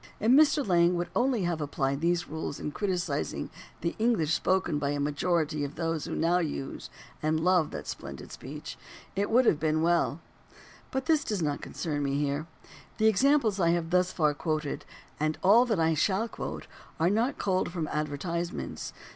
If Mr. Lang would only have applied these rules in criticising the English spoken by a majority of those who now use and love that splendid speech, it would have been weU. But this does not concern me here. The examples I have thus far quoted and all that I shall quote are not culled from advertisements.